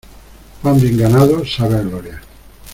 Pan bien ganado, sabe a gloria.